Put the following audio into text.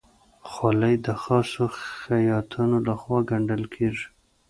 خولۍ د خاصو خیاطانو لهخوا ګنډل کېږي.